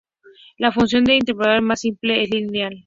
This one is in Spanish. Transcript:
La función de interpolación más simple es lineal.